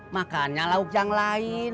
makannya lauk yang lain